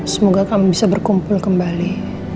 semoga kamu bisa berkumpul kembali